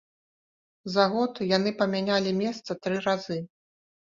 За год яны памянялі месца тры разы.